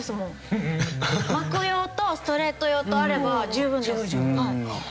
巻く用とストレート用とあれば十分です。